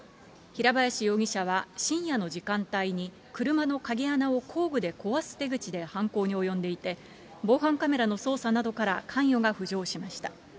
平林容疑者は、深夜の時間帯に車の鍵穴を工具で壊す手口で犯行に及んでいて、防犯カメラの捜査などから関与が浮上しました。